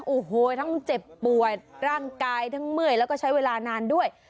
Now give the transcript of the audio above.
โอ้โหทั้งเจ็บปวดร่างกายทั้งเมื่อยแล้วก็ใช้เวลานานด้วย